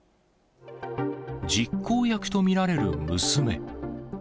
実行役と見られる娘。